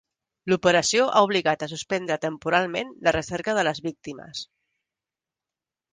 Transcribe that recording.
L'operació ha obligat a suspendre temporalment la recerca de les víctimes.